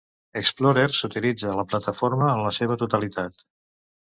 Xplorers utilitza la plataforma en la seva totalitat.